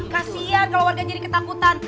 kasian kalau warga jadi ketakutan